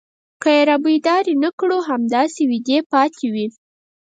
که يې رابيدارې نه کړو همداسې ويدې پاتې وي.